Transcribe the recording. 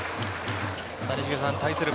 対する